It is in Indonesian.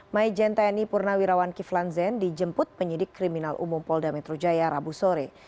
mai jenteni purnawirawan kiflan zen dijemput penyidik kriminal umum poldai metro jaya rabu sore